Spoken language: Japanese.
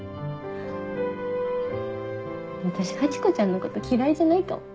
私ハチ子ちゃんのこと嫌いじゃないかも。